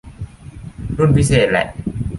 รุ่นพิเศษแหละ